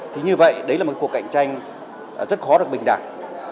thì như vậy đấy là một cuộc cạnh tranh rất khó được bình đẳng